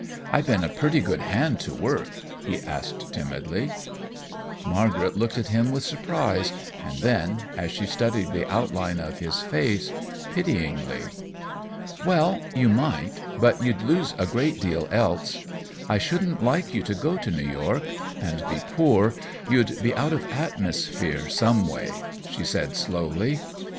I been a purty good hand to work," he asked, timidly. Margaret looked at him with surprise, and then, as she studied the outline of his face, pityingly. "Well, you might but you'd lose a good deal else. I shouldn't like you to go to New York and be poor, you'd be out of atmosphere, some way," she said, slowly.